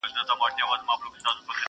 په زندان کي له یوسف سره اسیر یم؛